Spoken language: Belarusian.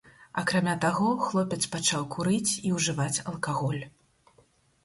Акрамя таго, хлопец пачаў курыць і ўжываць алкаголь.